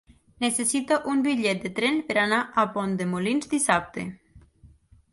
Necessito un bitllet de tren per anar a Pont de Molins dissabte.